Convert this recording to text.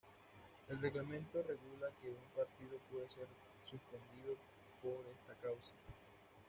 El reglamento regula que un partido puede ser suspendido por esta causa.